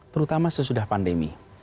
terutama sesudah pandemi